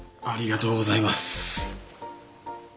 ありがとうございます。